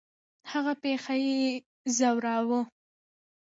هغه پېښه یې ځوراوه.